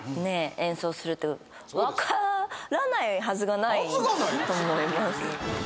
演奏するとわからないはずがないと思います